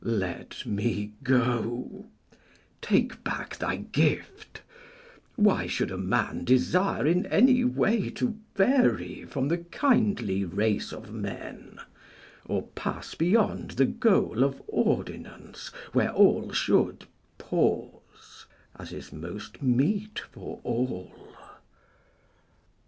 Let me go: take back thy gift: Why should a man desire in any way To vary from the kindly race of men, Or pass beyond the goal of ordinance Where all should pause, as is most meet for all?